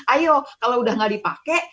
ayo kalau udah gak dipakai